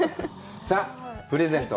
さあ、プレゼント